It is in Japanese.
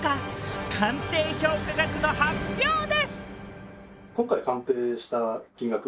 鑑定評価額の発表です！